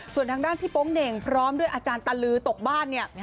ส่วนทางด้านพี่โป๊งเหน่งพร้อมด้วยอาจารย์ตะลือตกบ้านเนี่ย